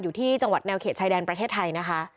อยู่ที่จังหวัดแนวเขตชายแดนประเทศไทยนะคะ